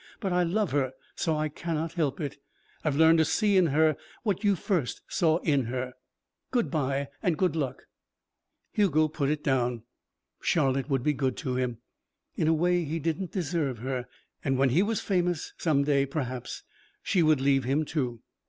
But I love her, so I cannot help it. I've learned to see in her what you first saw in her. Good bye, good luck." Hugo put it down. Charlotte would be good to him. In a way, he didn't deserve her. And when he was famous, some day, perhaps she would leave him, too.